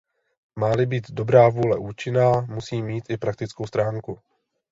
Má-li být dobrá vůle účinná, musí mít i praktickou stránku.